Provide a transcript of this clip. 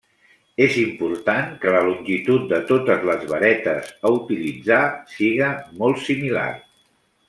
És important que la longitud de totes les varetes a utilitzar siga molt similar.